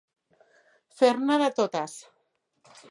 Fer-ne de totes.